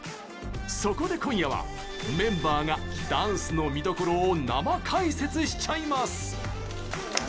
そこで今夜はメンバーがダンスの見どころを生解説しちゃいます！